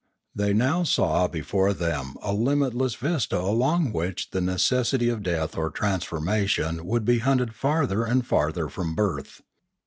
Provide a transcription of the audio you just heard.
They now saw before them a limitless vista along which the necessity of death or transformation would be hunted farther and farther from birth.